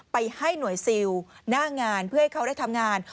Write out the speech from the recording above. ไปให้หน่วยซิลหน้างานเพื่อให้เขาได้ทำงาน